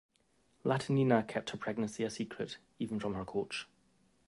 Latynina kept her pregnancy a secret, even from her coach.